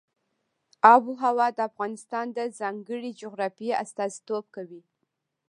آب وهوا د افغانستان د ځانګړي جغرافیه استازیتوب کوي.